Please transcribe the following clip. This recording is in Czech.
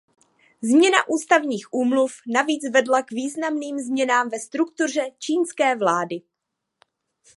Změna ústavních úmluv navíc vedla k významným změnám ve struktuře čínské vlády.